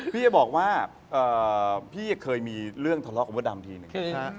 พี่จะบอกว่าพี่เคยมีเรื่องทะเลาะกับมดดำทีหนึ่ง